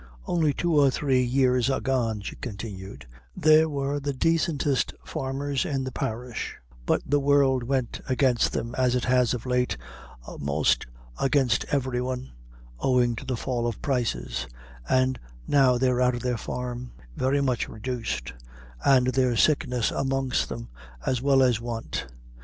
"Only two or three years agone," she continued, "they were the daicentest farmers in the parish; but the world went against them as it has of late a'most against every one, owing to the fall of prices, and now they're out of their farm, very much reduced, and there's sickness amongst them, as well as want.